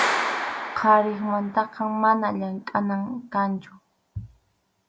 qariqmantam mana llamkʼana kanchu.